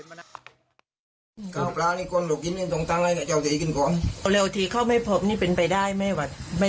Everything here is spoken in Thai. อาจจะมีคนท้องคุณไม่คิดว่าเสียแป้งอยู่คนเดียวอย่างไร